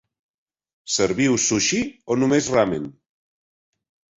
Serviu sushi, o només ramen?